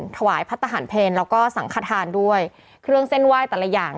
ถวายพระทหารเพลแล้วก็สังขทานด้วยเครื่องเส้นไหว้แต่ละอย่าง